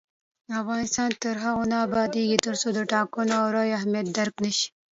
افغانستان تر هغو نه ابادیږي، ترڅو د ټاکنو او رایې اهمیت درک نشي.